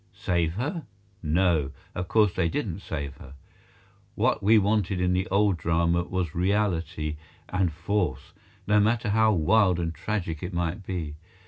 Save her? No, of course they didn't save her. What we wanted in the Old Drama was reality and force, no matter how wild and tragic it might be.